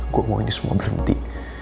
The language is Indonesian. gue mau ini semua berhenti